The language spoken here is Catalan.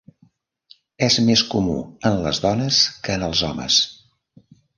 És més comú en les dones que en els homes.